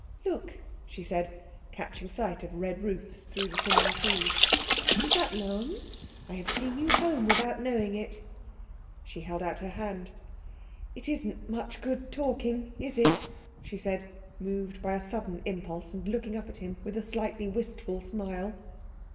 "Look," she said, catching sight of red roofs through the thinning trees, "isn't that Lohm? I have seen you home without knowing it." She held out her hand. "It isn't much good talking, is it?" she said, moved by a sudden impulse, and looking up at him with a slightly wistful smile.